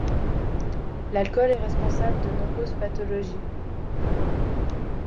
L'alcool est responsable de nombreuses pathologies.